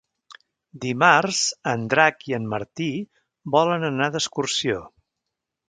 Dimarts en Drac i en Martí volen anar d'excursió.